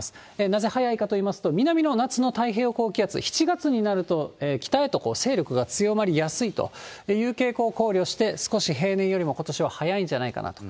なぜ早いかといいますと、南の夏の太平洋高気圧、７月になると、北へと勢力が強まりやすいという傾向、考慮して、少し平年よりもことしは早いんじゃないかなと。